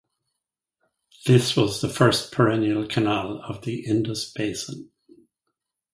This was first perennial canal of the Indus Basin.